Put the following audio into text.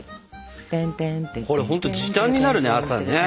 これほんと時短になるね朝ね。